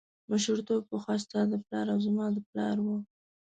مشرتوب پخوا ستا د پلار او زما د پلار و.